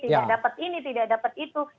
tidak dapat ini tidak dapat itu